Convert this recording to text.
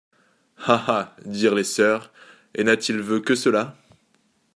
Ha! ha ! dirent les sœurs, et n’ha-t-il veu que cela?